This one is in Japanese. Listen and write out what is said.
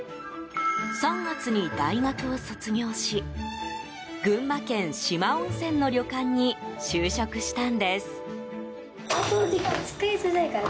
３月に大学を卒業し群馬県四万温泉の旅館に就職したんです。